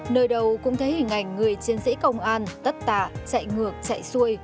nơi đầu cũng thấy hình ảnh người chiến sĩ công an tắt tà chạy ngược chạy xuôi